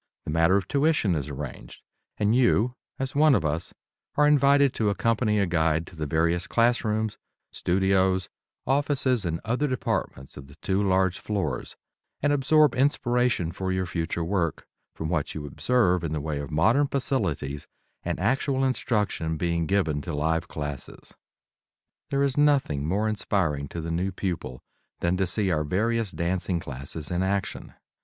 The matter of tuition is arranged, and you, as one of us, are invited to accompany a guide to the various classrooms, studios, offices and other departments of the two large floors and absorb inspiration for your future work from what you observe in the way of modern facilities and actual instruction being given to live classes. There is nothing more inspiring to the new pupil than to see our various dancing classes in action.